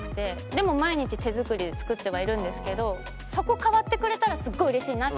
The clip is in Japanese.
でも毎日手作りで作ってはいるんですけどそこ代わってくれたらすごいうれしいなっていう。